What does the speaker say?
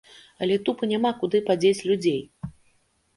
Але тупа няма куды падзець людзей.